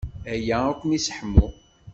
Aya ad ken-yesseḥmu.